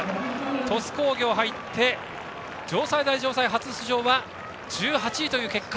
鳥栖工業が１７位で入って城西大城西、初出場は１８位という結果。